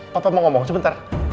papa mau ngomong sebentar